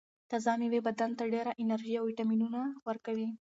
تازه مېوې بدن ته ډېره انرژي او ویټامینونه ورکوي.